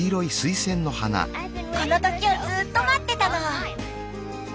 この時をずっと待ってたの。